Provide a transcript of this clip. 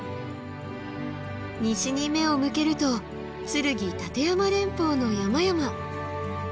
西に目を向けると剱・立山連峰の山々。